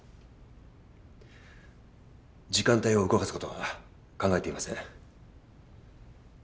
時間帯を動かすことは考えていません。